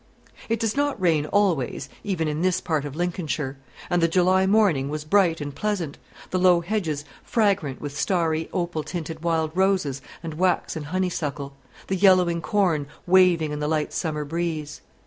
It does not rain always, even in this part of Lincolnshire; and the July morning was bright and pleasant, the low hedges fragrant with starry opal tinted wild roses and waxen honeysuckle, the yellowing corn waving in the light summer breeze.